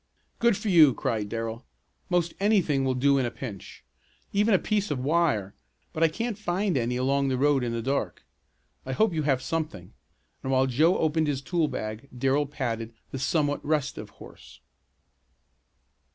"Good for you!" cried Darrell. "Most anything will do in a pinch. Even a piece of wire, but I can't find any along the road in the dark. I hope you have something," and while Joe opened his tool bag Darrell patted the somewhat restive horse.